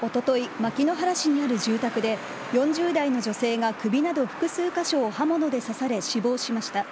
牧之原市にある住宅で４０代の女性が首など複数カ所を刃物で刺され、死亡しました。